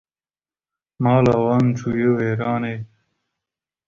Mala wan çû ye wêranê